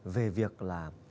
về việc là